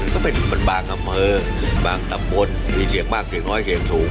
ก็เป็นบางอำเภอบางตำบลมีเสียงมากเสียงน้อยเสียงสูง